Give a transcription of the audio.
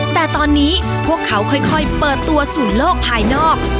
แต่ตอนนี้พวกเขาค่อยเปิดตัวสู่โลกภายนอก